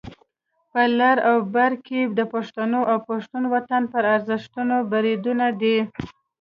په لر او بر کې د پښتنو او پښتون وطن پر ارزښتونو بریدونه دي.